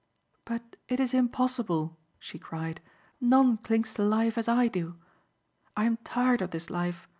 "But it is impossible," she cried. "None clings to life as I do. I am tired of this life.